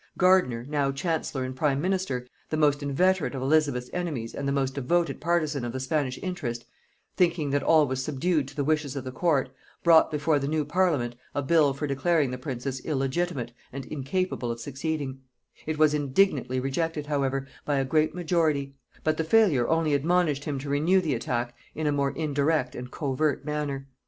Gardiner, now chancellor and prime minister, the most inveterate of Elizabeth's enemies and the most devoted partisan of the Spanish interest, thinking that all was subdued to the wishes of the court, brought before the new parliament a bill for declaring the princess illegitimate and incapable of succeeding: it was indignantly rejected, however, by a great majority; but the failure only admonished him to renew the attack in a more indirect and covert manner.